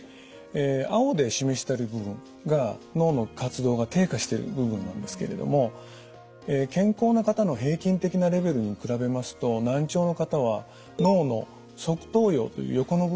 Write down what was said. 青で示してる部分が脳の活動が低下してる部分なんですけれども健康な方の平均的なレベルに比べますと難聴の方は脳の側頭葉という横の部分ですね。